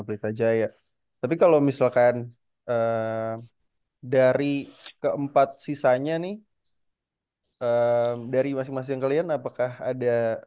pelita jaya tapi kalau misalkan dari keempat sisanya nih dari masing masing kalian apakah ada